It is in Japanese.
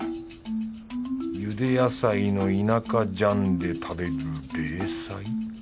茹で野菜の田舎醤で食べる冷菜？